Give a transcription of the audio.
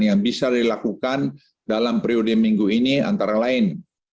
yang bisa dilakukan dalam periode minggu ini antara lain